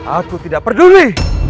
aku tidak peduli